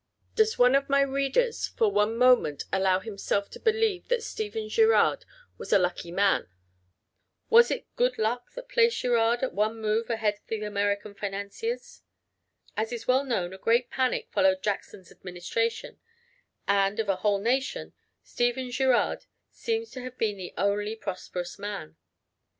Does one of my readers for one moment allow himself to believe that Stephen Girard was a lucky man? Was it 'good luck' that placed Girard at one move at the head of American financiers? As is well known a great panic followed Jackson's administration, and, of a whole nation, Stephen Girard seems to have been the only prosperous man.